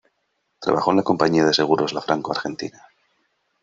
Trabajó en la compañía de seguros La Franco Argentina.